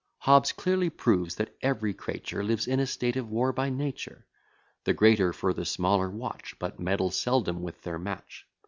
Hobbes clearly proves, that every creature Lives in a state of war by nature. The greater for the smaller watch, But meddle seldom with their match.